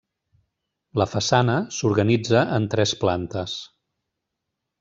La façana s'organitza en tres plantes.